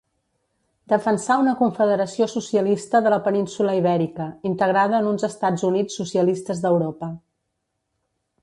Defensà una Confederació Socialista de la península Ibèrica, integrada en uns Estats Units Socialistes d'Europa.